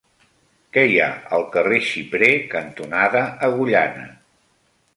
Què hi ha al carrer Xiprer cantonada Agullana?